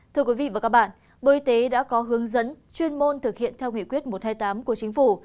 thưa quý vị và các bạn bộ y tế đã có hướng dẫn chuyên môn thực hiện theo nghị quyết một trăm hai mươi tám của chính phủ